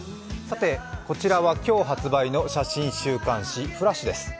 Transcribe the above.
こちらは今日発売の写真週刊誌「ＦＬＡＳＨ」です。